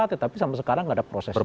tetapi sampai sekarang tidak ada proses